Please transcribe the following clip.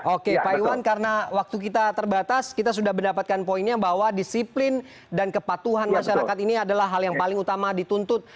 oke pak iwan karena waktu kita terbatas kita sudah mendapatkan poinnya bahwa disiplin dan kepatuhan masyarakat ini adalah hal yang paling utama dituntut